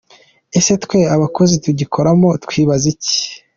Ese twe abakozi tugikoramo twibaza iki?